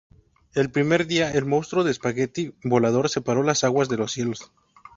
El primer día, el Monstruo de Espagueti Volador separó las aguas de los cielos.